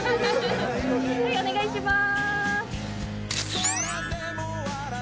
お願いします。